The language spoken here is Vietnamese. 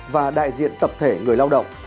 và đại diện tập thể người lao động